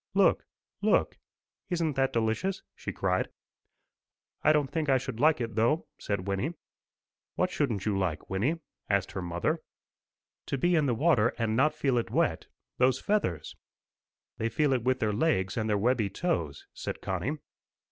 "Look; look. Isn't that delicious?" she cried. "I don't think I should like it though," said Wynnie. "What shouldn't you like, Wynnie?" asked her mother. "To be in the water and not feel it wet. Those feathers!" "They feel it with their legs and their webby toes," said Connie.